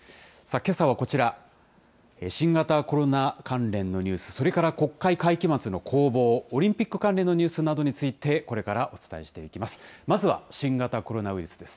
けさはこちら、新型コロナ関連のニュース、それから国会会期末の攻防、オリンピック関連のニュースなどについて、これからお伝えしていきます。